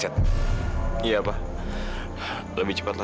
jatuhnya leli juga